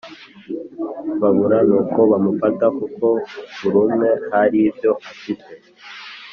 babura nuko bamufata kuko burumwe haribyo afite